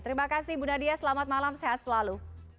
terima kasih bu nadia selamat malam sehat selalu